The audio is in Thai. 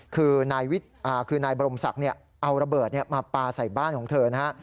คือนายบรมศักดิ์เอาระเบิดมาปลาใส่บ้านของเธอนะฮะ